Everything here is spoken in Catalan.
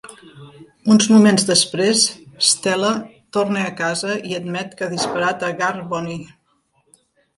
Uns moments després, Stella torna a casa i admet que ha disparat a Gar Boni.